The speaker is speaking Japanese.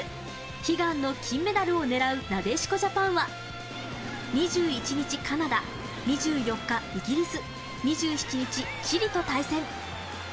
悲願の金メダルを狙うなでしこジャパンは、２１日カナダ、２４日イギリス、２７日チリと対戦。